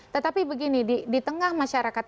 tetapi begini di tengah masyarakat